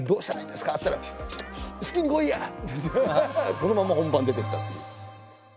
このまんま本番出て行ったっていう。